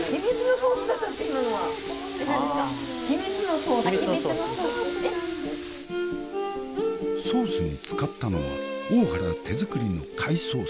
ソースに使ったのは大原手作りの貝ソース。